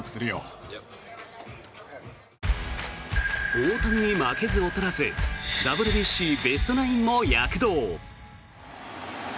大谷に負けず劣らずＷＢＣベストナインも躍動。